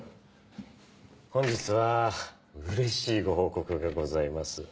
本日はうれしいご報告がございます。